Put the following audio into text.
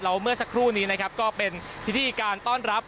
แล้วเมื่อสักครู่นี้นะครับก็เป็นพิธีการต้อนรับ